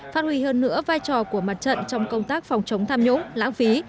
phát huy hơn nữa vai trò của mặt trận trong công tác phòng chống tham nhũng lãng phí